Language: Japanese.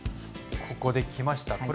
ここできました！